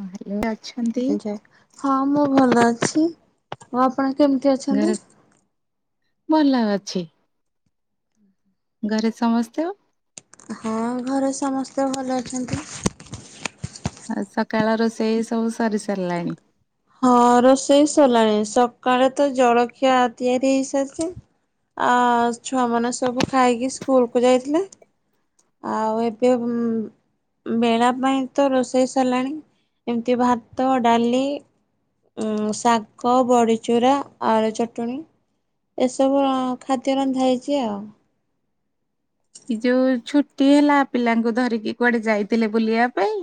ହଁ ହାଲୋ। ଆଜ୍ଞା ହଁ ମୁଁ ଭଲ ଅଛି ଆଉ ଆପଣ କେମିତି ଅଛନ୍ତି? ଘରେ ଭଲ ଅଛି। ଘରେ ସମସ୍ତେ ଆଉ ଘରେ ସମସ୍ତେ ଭଲ ଅଛନ୍ତି। ଆଉ ସକାଳ ରୋଷେଇ ସବୁ ସରି ସାରିଲାଣି? ହଁ ରୋଷେଇ ସିଲାଣି ସକାଳେ ତ ଜଳଖିଆ ତିଆରି ହେଇସାରିଚି। ଆ ଛୁଆମାନେ ସବୁ ଖାଇକି ସ୍କୁଲ କୁ ଯାଇଥିଲେ। ଆଉ ଏବେ ବେଳା ପାଇଁ ତ ରୋଷେଇ ସାରିଲାଣି ଏମିତି ଭାତ ଡାଲି ଶାଗ ବଡ଼ିଚୁରା ଆଳ ଚଟଣି ଏସବୁ ଖାଦ୍ୟ ରନ୍ଧା ହେଇଛି ଆଉ ଯୋଉ ଛୁଟି ହେଲା ପିଲାଙ୍କୁ ଧରିକି କୁଆଡେ ଯାଇଥିଲେ ବୁଲିବା ପାଇଁ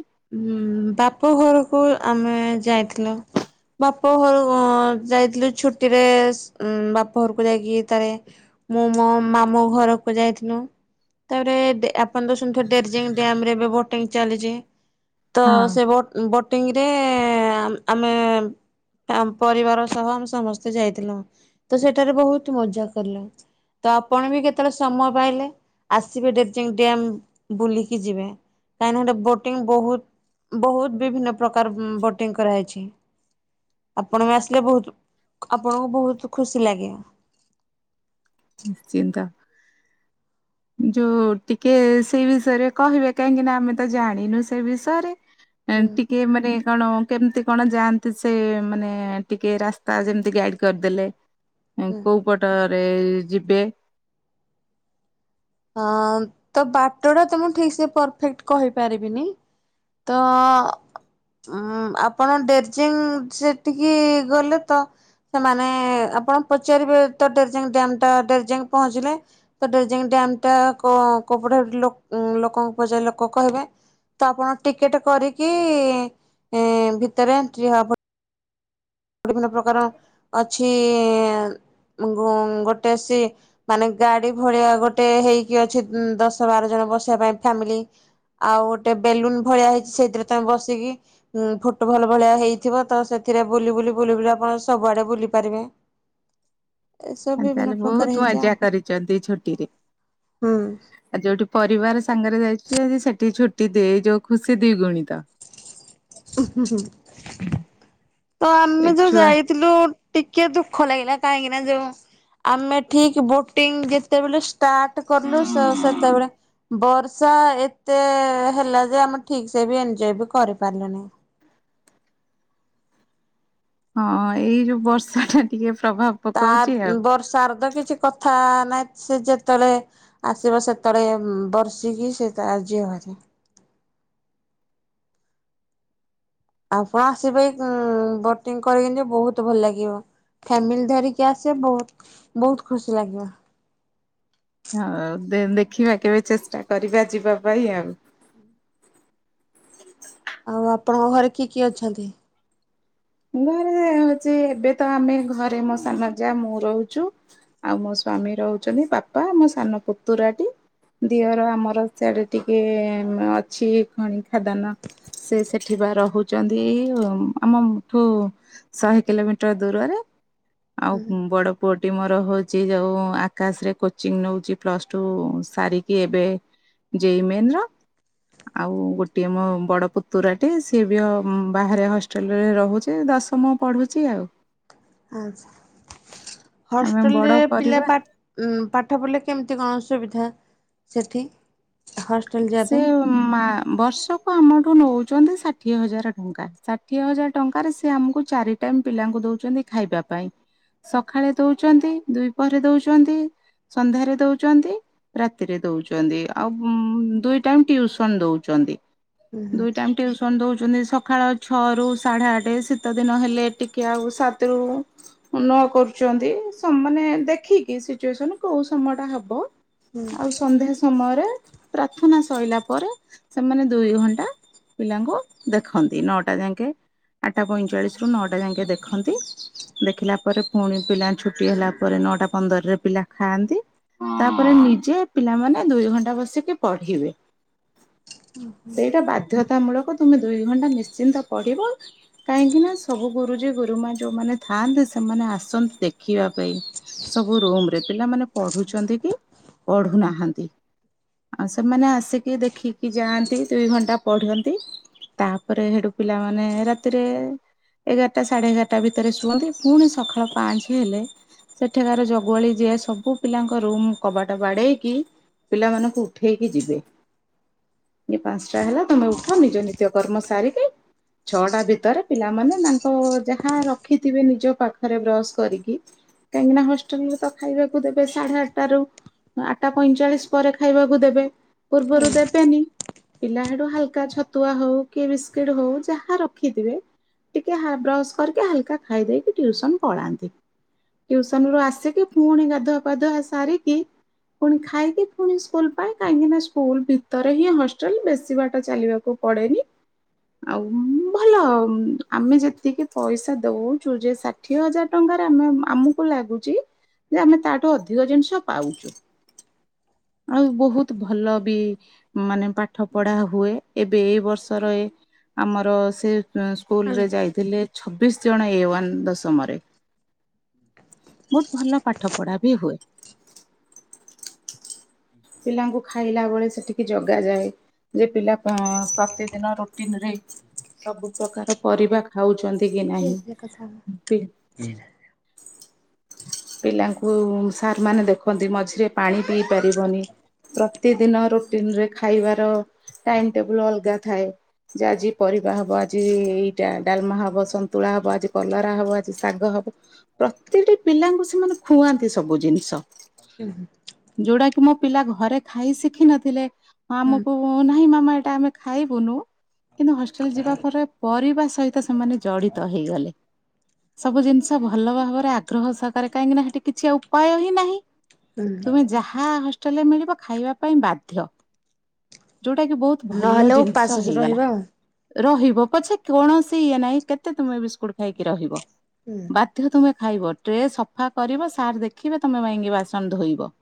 ହୁଁ ବାପ ଘରକୁ ଆମେ ଯାଇଥିଲ ବାପ ଘର ଯାଇଥିଲୁ ଛୁଟି ରେ ବାପ ଘରକୁ ଯାଇକି ତାରେ ମୁଁ ମୋ ମାମୁ ଘରକୁ ଯାଇଥିଲୁ ତାପରେ ଆପଣ ତ ଶୁଥିବେ ଡର୍ଜିଙ୍ଗ ଡ୍ୟାମ ରେ ଏବେ ବୋଟିଂ ଚାଲିଛି ତ ହଁ ସେ ବୋଟିଂରେ ଆମେ ଆ ପରିବାର ସହ ଆମେ ସମସ୍ତେ ଯାଇଥିଲ ତ ସେଠାରେ ବହୁତ ମଜା କଲ ତ ଆପଣ ବି କେତେବେଳେ ସମୟ ପାଇଲେ ଆସିବେ ଡେ ଡମ୍ ବୁଲିକି ଯିବେ କାହିଁକିଟ ବୋଟିଂ ବହୁତ ବହୁତ ବିଭିନ୍ନ ପ୍ରକାର ବୋଟିଂ କରାହାଇଛି ଆପଣ ବି ଆସିଲେ ବହୁତ ଆପଣଙ୍କୁ ବହୁତ ଖୁସି ଲାଗେ ନିଶ୍ଚିନ୍ତା ଯୋଉ ଟିକେ ସେଇ ବିଷୟରେ କହିବେ କାହିଁକି ନା ଆମେ ତ ଜାଣିନୁ ସେ ବିଷୟରେ ହୁଁ ଏମିତି କିଏ ମାନେ କଣ କେମିତି କଣ ଯାଆନ୍ତି ସେ ମାନେ ଟିକେ ରାସ୍ତା ଯେମିତି ଗାଇଡ କରିଦେଲେ ହୁଁ। କୋଉ ପଟରେ ଯିବେ ହଁ ତ ବାଟ ଟା ତ ମୁଁ ଠିକ ସେ ପରଫେକ୍ଟ କହିପାରିବିନି ତ ଉ ଆପଣ ଡେର୍ଜିଂ ସେଠିକି ଗଲେ ତ ସେମାନେ ଆପଣ ପଚାରିବେ ତ ଡେରଜାଙ୍ଗ ଡ୍ୟାମ ଟା ଡେରଜାଙ୍ଗ ପହଞ୍ଚିଲେ ତଡ ଡାମ ଟା କୋଉପଟେ ଲୋକଙ୍କ ପଜ ଲୋକ କହିବେ ତ ଆପଣ ଟିକେଟ କରିକି ଏ ଭିତରେ ଏଣ୍ଟ୍ରି ହବା ପ ବିଭିନ୍ନ ପ୍ରକାର ଅଛି ଗୋଟେସି ମାନେ ଗାଡି ଭଳିଆ ଗୋଟେ ହେଇକି ଅଛି ଦଶ ବାର ଜଣ ବସିବା ପାଇଁ ଫ୍ୟାମିଲି ଆଉ ଗୋଟେ ବେଲୁନ ଭଳିଆ ହେଇଛି ସେଇଥିରେ ତମେ ବସିକି ଉଁ ଫୁଟବଲ ଭଳିଆ ହେଇଥିବ ତ ସେଥିରେ ବୁଲି ବୁଲି ବୁଲି ବୁଲି ଆପଣ ସବୁଆଡେ ବୁଲି ପାରିବେ ଏସବୁ ବିଭିନ୍ନ ତାହେଲେ ପ୍ରକାର ବହୁତ ହେଇଛି ମଜା ଆଉ କରିଛନ୍ତି ଛୁଟିରେ ହୁଁ। ଆଉ ଯୋଉଠି ପରିବାର ସାଙ୍ଗରେ ଯାଇଛି ଆଜି ସେଠି ଛୁଟି ଦେଇ ଯୋଉ ଖୁସି ଦି ଗୁଣିତ ତ ଏ ଆମେ ଯୋଉ ଛୁଆ ଯାଇ ଥିଲୁ ଟିକେ ଦୁଃଖ ଲାଗିଲା କାହିଁକି ନା ଯୋଉ ଆମେ ଠିକ ବୋଟିଂ ଯେତେବେଳେ ଷ୍ଟାର୍ଟ କଲୁ ସେ ସେତେବେଳେ ବର୍ଷା ଏତେ ହେଲା ଯେ ଆମେ ଠିକ ସେ ବି ଏନ୍ଜୟ ବି କରି ପାରିଲୁନି ହଁ ଏଇ ଯୋଉ ବର୍ଷା ଟା ଟିକେ ପ୍ରଭାବ ତା ପକଉଚି ଆଉ। ବର୍ଷା ର ତ କିଛି କଥା ନାହିଁ ସେ ଯେତେବେଳେ ଆସିବ ସେତେଳେ ବର୍ଷିକି ସେ ତା ଯିବ ଆଉ କଁ ଆସିବେ ବୋଟିଂ କରିକି ବହୁତ ଭଲ ଲାଗିବ ଫାମିଲି ଧରିକି ଆସିବ ବହୁତ ବହୁତ ଖୁସି ଲାଗିବ ହଉ ଦେ ଦେଖିବା କେବେ ଚେଷ୍ଟା କରିବା ଯିବା ପାଇଁ ଆଉ ଆଉ ଆପଣଙ୍କ ଘରେ କିଏ କିଏ ଅଛନ୍ତି ଘରେ ହଉଛି ଏବେ ତ ଆମେ ଘରେ ମୋ ସାନ ଯା ମୁଁ ରହୁଛୁ ଆଉ ମୋ ସ୍ଵାମୀ ରହୁଛନ୍ତି ବାପା ମୋ ସାନ ପୁତୁରାଟି ଦିଅର ଆମର ସାଡେ ଟିକେ ଅଛି ଖଣି ଖାଦାନ ସେ ସେଠୀ ବା ରହୁଛନ୍ତି ଆମ ଠୁ ଶହେ କିଲୋମିଟର ଦୂରରେ ଆଉ ବଡ ପୁଅଟି ମୋର ହଉଛି ଯୋଉ ଆକାଶରେ କୋଚିଂ ନଉଛି ପ୍ଲସଟୁ ସାରିକି ଏବେ ଜେଇମେନ୍ ର ଆଉ ଗୋଟିଏ ମୋ ବଡ ପୁତୁରାଟି ସିଏ ବି ବାହାରେ ହଷ୍ଟେଲରେ ରହୁ ଚି ଦଶମ ପଢୁଛି ଆଉ। ଆଛା ଆମେ ହଷ୍ଟେଲରେ ବଡ଼ ପିଲା ପରିବା ପା ପାଠ ପଢ଼ିଲେ କେମିତି କଣ ଅସୁବିଧା ସେଠି ହଷ୍ଟେଲ ଯିବା ସେ ପାଇଁ। ମା ବର୍ଷକୁ ଆମଠୁ ନଉଛନ୍ତି ଷାଠିଏ ହଜାର ଟଙ୍କା ଷାଠିଏ ହଜାର ଟଙ୍କାରେ ସେ ଆମକୁ ଚାରି ଟାଇମ୍ ପିଲାଙ୍କୁ ଦଉଛନ୍ତି ଖାଇବା ପାଇଁ। ସକାଳେ ଦଉଛନ୍ତି ଦୁଇ ପହରେ ଦଉଛନ୍ତି। ସନ୍ଧ୍ୟାରେ ଦଉଛନ୍ତି ରାତିରେ ଦଉଛନ୍ତି ଆଉ ଦୁଇ ଟାଇମ୍ ଟିଉସନ ଦଉଛନ୍ତି ହୁଁ ଦୁଇ ଟାଇ ଟିଉସନ ଦଉଛନ୍ତି ସକାଳ ଛଅ ରୁ ସାଢ଼େ ଆଠ ଶୀତ ଦିନ ହେଲେ ଟିକେ ଆଉ ସାତରୁ। ନ କରୁଛନ୍ତି ସ ମାନେ ଦେଖିକି ସିଚୁଏସନ କୋଉ ସମୟ ଟା ହବ। ଆଉ ସନ୍ଧ୍ୟା ସମୟରେ ପ୍ରାର୍ଥନା ସଇଲା ପରେ ସେମାନେ ଦୁଇ ଘଣ୍ଟା। ପିଲାଙ୍କୁ ଦେଖନ୍ତି ନଅଟା ଯାଙ୍କେ ଆଠଟା ପଇଁଚାଳିଶରୁ ନଅଟା ଯାଙ୍କେ ଦେଖନ୍ତି। ଦେଖିଲା ପରେ ପୁଣି ପିଲା ଛୁଟି ହେଲା ପରେ ନଅଟା ପନ୍ଦରରେ ପିଲା ଖାଆନ୍ତି। ତାପରେ ନିଜେ ପିଲାମାନେ ଦୁଇ ଘଣ୍ଟା ବସିକି ପଢିବେ ସେଇଟା ବା ବାଧ୍ୟତାମୂଳକ ତୁମେ ଦୁଇ ଘଣ୍ଟା ନିଶ୍ଚିନ୍ତ ପଡ଼ିବ। କାହିଁକିନା ସବୁ ଗୁରୁଜୀ ଗୁରୁମା ଯେଉଁମାନେ ଥାଆନ୍ତି ସେମାନେ ଆସନ୍ତି ଦେଖିବା ପାଇଁ। ସବୁ ରୁମ ରେ ପିଲାମାନେ ପଢୁଛନ୍ତି କି ପଢୁନାହାନ୍ତି ବି। ଆ ସେମାନେ ଆସିକି ଦେଖିକି ଯାଆନ୍ତି ଦୁଇ ଘଣ୍ଟା ପଢନ୍ତି। ତାପରେ ସେଠୁ ପିଲାମାନେ ରାତିରେ। ଏଗାରଟା ସାଢ଼େ ଏଗାରଟା ଭିତରେ ଶୁଅନ୍ତି ପୁଣି ସକାଳ ପାଞ୍ଚ ହେଲେ। ସେଠକାର ଜଗୁଆଳି ଯିଏ ସବୁ ପିଲାଙ୍କ ରୁମ୍ କବାଟ ବାଡ଼େଇକି ପିଲାମାନଙ୍କୁ। ଉଠେଇକି ଯିବେ ପାଞ୍ଚଟା ହେଲା ତମେ ଉଠ ନିଜ ନିତ୍ୟ କର୍ମ ସାରିକି। ଛଅଟା ଭିତରେ ପିଲାମାନେ ତାଙ୍କ ଯାହା ରଖିଥିବେ ନିଜ ପାଖରେ ବ୍ରଶ କରିକି। କାହିଙ୍କିନା ହଷ୍ଟେଲ ରେ ତ ଖାଇବାକୁ ଦେବେ ସାଢେ ଆଟା ରୁ ର ଆଠଟା ପଇଁଚାଳିଶ ପରେ ଖାଇବାକୁ। ଦେବେ ପୂର୍ବରୁ ଦେବେନି ପିଲାଠୁ ହାଲକା ଛତୁଆ ହଉ କି ବିସ୍କୁିଟ ହଉ ଯାହା ରଖିଥିବେ। ଟିକେ ହ ବ୍ରସ୍ କରିକି ହାଲକା ଖାଇ ଦେଇେଇକି ଟ୍ୟୁସନ ପଳାନ୍ତି। ଟ୍ୟୁସନ ରୁ ଆସିକି ପୁଣି ଗାଧୁଆ ପାାଧୁଆ ସାରିକି ପୁଣି ଖାଇକି ପୁଣି। ସ୍କୁଲ ପାଇଁ କାହିଁକି ନା ସ୍କୁଲ ଭିତରେ ହିଁ ହଷ୍ଟେଲ ବେଶୀ ବାଟ ଚାଲିବାକୁ ପଡେନି। ଆଉ ଭଲ ଆମେ ଯେତିକି ପଇସା ଦଉଛୁ ଯେ ଷାଠିଏ ହଜାର ଟଙ୍କାରେ ଆମେ ଆମକୁ ଲାଗୁଛି ଯେ ଆମେ ତାଠୁ ଅଧିକ ଜିନିଷ ପାଉଛୁ। ଆଉ ବହୁତ ଭଲ ବି ମାନେ ପାଠ ପଢା ହୁଏ। ଏବେ ଏଇ ବର୍ଷରେ ଆମର ସେ ସ୍କୁଲ ହୁଁ। ରେ ଯାଇ। ଥିଲେ ଛବିଶ ଜଣ ଏ ୱନ୍ ଦଶମରେ ବହୁତ ଭଲ ପାଠ। ଠପଡ଼ା ବି ହୁଏ ପିଲାଙ୍କୁ ଖାଇଲା ବେଳେ ସେଠିକି ଜଗାଯାଏ। ଯେ ପିଲା ପ୍ରତିଦିନ ରୁଟିନ ରେ ସବୁ ପ୍ରକାର। ପରିବା ଖାଉଛନ୍ତି କି କଥା ନାହିଁ। ପିଲାଙ୍କୁ ସାର୍ମାନେ ଦେଖନ୍ତି ମଝିରେ ପାଣି ପିଇ ପାରିବନି ପ୍ରତିଦିନ ରୁଟିନ ରେ ଖାଇବାର ଟାଇମ ଟେବୁଲ ଅଲଗା ଥାଏ। ଯେ ଆଜି ପରିବା ହବ ଆଜି ଏଇଟା ଡାଲମା ହବ ସନ୍ତୁଳା ହବ ଆଜି କଲରା ହବ ଆଜି ଶାଗ ହବ। ପ୍ରତିଟି ପିଲାଙ୍କୁ ସେମାନେ ଖୁଆନ୍ତି ସବୁ ଜିନିଷ। ହୁଁ ହୁଁ। ଯୋଉଟା କି ମୁଁ। ପିଲା ଘରେ ଖାଇ ଶିଖିିନଥିଲେ ଆମକୁ ନାହିଁ ମାମା ଏଇଟା ଆମେ ଖାଇବୁନୁ। କିନ୍ତୁ ହଷ୍ଟେଲ ଯିବା ପରେ ପରିବା ସହିତ ସେମାନେ ଜଡିତ ହେଇଗଲେ ସବୁ ଜିନିଷ ଭଲ ଭାବରେ ଆଗ୍ରହ ସ କରେ କାହିଁକି ନା ସେଠି କିଛି ଉପାୟ ହିଁ ନାହିଁ। ତୁମେ ଯାହା ହୋଷ୍ଟେଲରେ ମିଳିବ ଖାଇବା ପାଇଁ ବାଧ୍ୟ ଯୋଉଟା କି ବହୁତ। ଭଲ ନହେଲେ ଉପାସ ଜିନିଷ ହେଇଗଲା। ରହିବା ଆଉ। ରହିବ ପଛେ, କୌଣସି ଇଏ ନାହିଁ। କେତେ ତମେ ବିସ୍କୁଟ ଖାଇକି ରହିବ। ହୁଁ ବାଧ୍ୟ ତୁମେ ଖାଇବ ଟ୍ରେ ସଫା କରିବ। ସାର୍ ଦେଖିବେ ତମେ [unintelligible] ବାସନ ଧୋଇବ।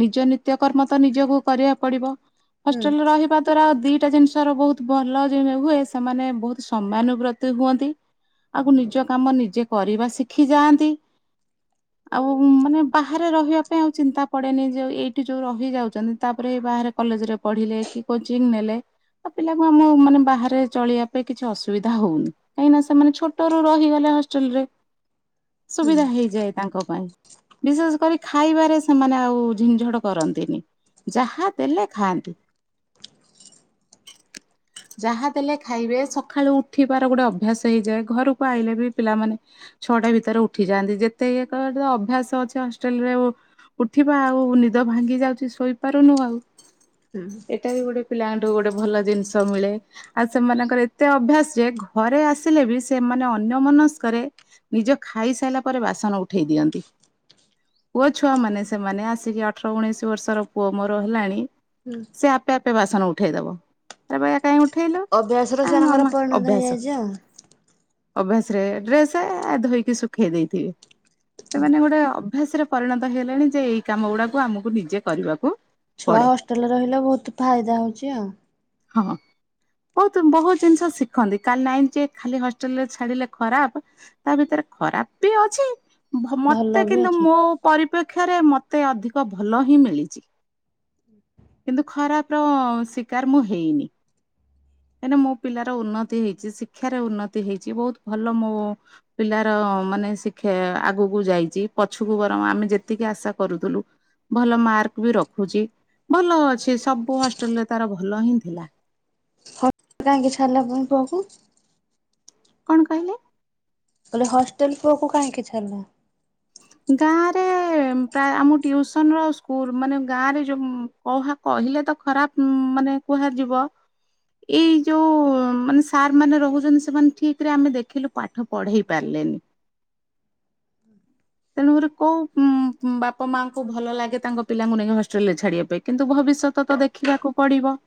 ନିଜ ନିତ୍ୟକର୍ମ ତ ନିଜକୁ କରିବା ପଡିବ। ହୁଁ ହଷ୍ଟେଲରେ ରହିବା ତରା ଦିଟା ଜିନିଷର ବହୁତ ଭଲ ଜିମ୍ ହୁଏ। ସେମାନେ ବହୁତ ସମାନୁବ୍ରତି ହୁଅନ୍ତି। ଆଗୁ ନିଜ କାମ ନିଜେ, କରିବା ଶିଖି ଯାଆନ୍ତି। ଆଉ, ମାନେ ବାହାରେ ରହିବା ପାଇଁ, ଆଉ ଚିନ୍ତା ପଡେନି ଯଉ, ଏଇଠି ଯୋଉ ରହି ଯାଉଛନ୍ତି ତା'ପରେ ବାହାରେ କଲେଜରେ ପଢିଲେ, କି କୋଚିଂ ନେଲେ ଆ, ପିଲାକୁ ମୁଁ ମାନେ ବାହାରେ ଚଳିବା ପାଇଁ କିଛି ଅସୁବିଧା ହଉନି। କାହିଁକି ନା, ସେମାନେ ଛୋଟରୁ ରହିଗଲେ ହଷ୍ଟେଲ ରେ। ସୁବିଧା ହେଇଯାଏ ତାଙ୍କ ପାଇଁ, ବିଶେଷ କରି ଖାଇବାରେ ସେ ସେମାନେ ଆଉ ଝିିନ୍ ଝଡ୍ କରନ୍ତିନି। ଯାହା ଦେଲେ ଖାଆନ୍ତି। ହ ଯାହା ଦେଲେ ଖାଇବେ, ସକାଳୁ ଉଠିବାର ଗୋଟେ ଅଭ୍ୟାସ ହେଇଯାଏ। ଘରକୁ ଆଇଲେ ବି ପିଲାମାନେ ଛଅଟା ଭିତରେ ଉଠି ଯାଆନ୍ତି। ଯେତେ ଇଏ କର ଅଭ୍ୟାସ ଅଛି ହଷ୍ଟେଲ ରେ ଉ ଉଠିବା ଆଉ, ନିଦ ଭାଙ୍ଗି ଯାଉଛି। ଶୋଇପାରୁନୁ ଆଉ ହୁଁ ଏଇଟା ବି ଗୋଟେ ପିଲାଙ୍କଠୁ ଗୋଟେ ଭଲ ଜିନିଷ ମିଳେ। ଆଉ, ସେମାନଙ୍କର ଏତେ ଅଭ୍ୟାସ ଯେ, ଘରେ ଆସିଲେ ବି ସେମାନେ, ଅନ୍ୟ ମନସ୍କରେ ନିଜ ଖାଇସାଇଲା ପରେ ବାସନ ଉଠେଇ ଦିଅନ୍ତି। ପୁଅ ଛୁଆ ମାନେ ସେ ସେମାନେ ଆସିକି ଅଠର ଉଣେଇଶି ବର୍ଷର ପୁଅ ମୋର ହେଲାଣି ହୁଁ। ସେ ଆପେ ଆପେ ବାସନ ଉଠେଇଦବ। ଆରେ ବାୟା କାଇଁ ଉଠେଇଲୁ? ଅଭ୍ୟାସର ଏ ସେମାନଙ୍କର ମାମା ପରିଣତ ଅଭ୍ୟାସ! ହେଇଯାଇଛି ଆଉ। ଅଭ୍ୟାସ ରେ, ଡ୍ରେସେ ଧୋଇକି ଶୁଖେଇ ଦେଇଥିବି। ସେମାନେ ଗୋଟେ ଅଭ୍ୟାସରେ ପରିଣତ ହେଇଲେଣି, ଯେ ଏଇ କାମ ଗୁଡାକୁ ଆମକୁ ନିଜେ କରିବାକୁ ଛୁଆ ପଡେ ହଷ୍ଟେଲରେ ରହିଲେ, ବହୁତ ଫାଇଦା ହଉଛି ଆଉ। ହଁ। ବହୁତ, ବହୁତ ଜିନିଷ ଶିଖନ୍ତି। କାଲି ନାଇଁ ଯେ, ଖାଲି ହଷ୍ଟେଲ ରେ ଛାଡିଲେ ଖରାପ! ତା' ଭିତରେ ଖରାପ ବି ଅଛି। ଭ ଭଲ ମତେ ବି କିନ୍ତୁ ଅଛି। ମୋ ପରିପେକ୍ଷି ପକ୍ଷରେ ମତେ ଅଧିକ ଭଲ ହିଁ ମିଳିଛି। କିନ୍ତୁ, ଖରାପ ର ଶିକାର ମୁଁ ହେଇନି। କାହିଁକିନା, ମୋ ପିଲାର ଉନ୍ନତି ହେଇଛି। ଶିକ୍ଷାରେ ଉନ୍ନତି ହେଇଛି। ବହୁତ ଭଲ ମୋ ପିଲାର ମାନେ ଶିଖେ ଆଗକୁ ଯାଇଛି। ପଛକୁ ବରଂ ଆମେ ଯେ ତିକି ଆଶା କରୁଥୁଲୁ। ଭଲ ମାର୍କ ବି ରଖୁଛି। ଭଲ ଅଛି, ସବୁ ହଷ୍ଟେଲରେ ତାର ଭଲ ହିଁ ଥିଲା। ହଷ୍ଟେଲ କାହିଁକି ଛାଡ଼ିଲା, ପୁଣି ପୁଅକୁ? କଣ କହିଲେ? କହିଲି, ହଷ୍ଟେଲ ପୁଅକୁ କାହିଁକି ଛାଲ? ଗାଁ ରେ, ପ୍ରାୟ ଆମ ଟିଉସନ୍ ର ଆଉ ସ୍କୁଲ ମାନେ ଗାଁ ରେ ଯୋଉଁ କହା କହିଲେ ତ ଖରାପ ମାନେ କୁହାଯିବ। ଏଇ ଯଉ ମାନେ ସାର୍ ମାନେ ରହୁଛନ୍ତି, ସେମାନେ ଠିକ୍ ରେ ଆମେ ଦେଖିଲୁ ପାଠ ପଢ଼େଇ ପାରିଲେନି। ତେଣୁକରି କୋଉ-ଉଁ-ଉଁ ବାପ ମା'ଙ୍କୁ ଭଲ ଲାଗେ, ତାଙ୍କ ପିଲାଙ୍କୁ ନେଇକି ହଷ୍ଟେଲ ରେ ଛାଡିବା ପାଇଁ। କିନ୍ତୁ ଭବିଷ୍ୟତ ତ ଦେଖ ଖିବାକୁ ପଡିବ।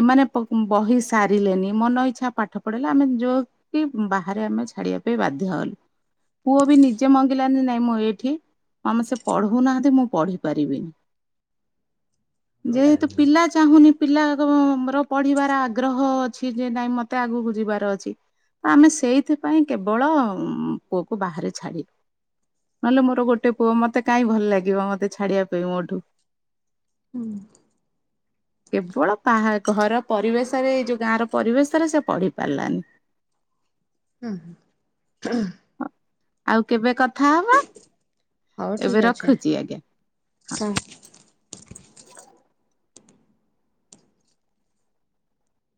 ଏମାନେ ପ ବହି ସାରିଲେନି। ମନ ଇଚ୍ଛା, ପାଠ ପଢେଇଲେ। ଆମେ ଯୋକ୍ କି ବାହାରେ ଆମେ ଛାଡିବା ପାଇଁ ବାଧ୍ୟ ହେଲୁ। ପୁଅ ବି ନିଯେ ସେ ମଙ୍ଗିଲାନି ନାଇଁ ମୁଁ ଏଇଠି ମାମା ସେ ପଢଉ ନାହାଁନ୍ତି। ମୁଁ ପଢି ପାରିବିନି। ଯେହେତୁ ପିଲା ଚାହୁଁନି, ପିଲା ଆଗ ମୋର ପଢିବାର ଆଗ୍ରହ ଅଛି। ଯେ ନାଇଁ ମତେ ଆଗକୁ ଯିବାର ଅଛି। ତ ଆମେ ସେଇଥିପାଇଁ କେବଳ, ପୁଅକୁ ବାହାରେ ଛାଡିଲୁ। ନହେଲେ, ମୋର ଗୋଟେ ପୁଅ ମତେ କାଇ ଭଲ ଲାଗିବ, ମତେ ଛଡିବା ପାଇଁ ମୋଠୁ। ହୁଁ [inaudible] କେବଳ ପାହା ଘର ପରିବେଶରେ ଏଇ ଯୋଉ ଗାଁ ର ପରିବେଶରେ ସେ ପଢି ପାରିଲାନି। ହୁଁ ହଁ ଆଉ କେବେ କଥା ହବା। ହଉ ଠିକ୍ ଏବେ ଅଛି ରଖୁଛି ଆଜ୍ଞା। ହଁ।